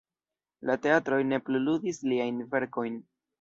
La teatroj ne plu ludis liajn verkojn.